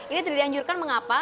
ini tidak dianjurkan mengapa